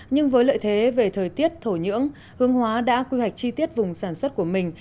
nhưng với lợi thế về thời tiết thổ nhưỡng hương hóa đã quy hoạch chi tiết vùng sản xuất của mình